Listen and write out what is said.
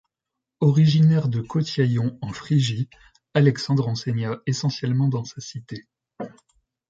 Originaire de Cotyaion en Phrygie, Alexandre enseigna essentiellement dans sa cité.